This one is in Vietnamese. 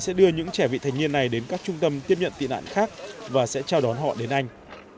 sẽ đưa những trẻ vị thành niên này đến các trung tâm tiếp nhận tị nạn khác và sẽ chào đón họ đến anh